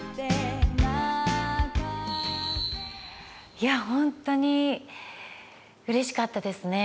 いや本当にうれしかったですね。